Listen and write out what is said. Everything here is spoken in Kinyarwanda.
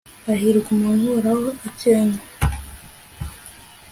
hahirwa umuntu uhora akenga